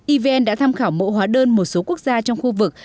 evn đã tham khảo mẫu hóa đơn một số quốc gia trong khu vực